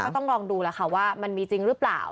ต้องลองดูแล้วค่ะว่ามันมีจริงหรือเปล่า